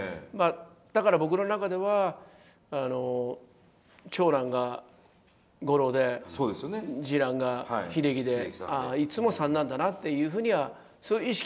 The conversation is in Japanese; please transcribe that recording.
だから僕の中では長男が五郎で次男が秀樹でああいつも三男だなっていうふうにはそういう意識は持っていましたね。